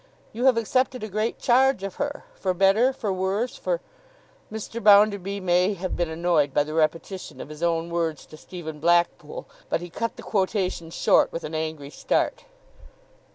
You have accepted a great charge of her; for better for worse, for—' Mr. Bounderby may have been annoyed by the repetition of his own words to Stephen Blackpool, but he cut the quotation short with an angry start.